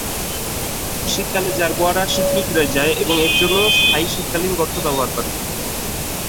শীতকালে জারবোয়ারা শীতনিদ্রায় যায় এবং এর জন্য স্থায়ী শীতকালীন গর্ত ব্যবহার করে।